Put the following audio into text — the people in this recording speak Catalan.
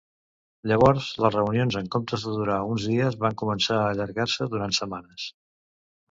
Llavors les reunions en comptes de durar uns dies van començar a allargar-se durant setmanes.